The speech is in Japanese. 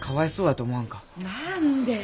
何で？